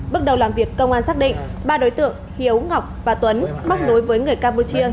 bước đầu làm việc công an xác định ba đối tượng hiếu ngọc và tuấn móc nối với người campuchia